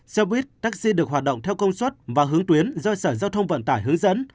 xe buýt taxi được hoạt động theo công suất và hướng tuyến do sở giao thông vận tải hướng dẫn